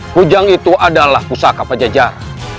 kujang itu adalah pusaka pajajar